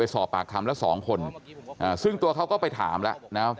ไปสอบปากคำละสองคนอ่าซึ่งตัวเขาก็ไปถามล่ะเนี่ย